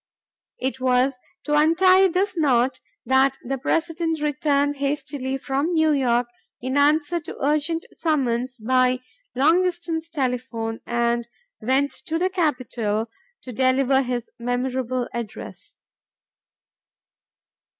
It was to untie this knot that the President returned hastily from New York in answer to urgent summons by long distance telephone, and went to the Capitol to deliver his memorable address.